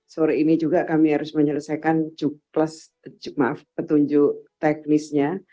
sore ini juga kami harus menyelesaikan petunjuk teknisnya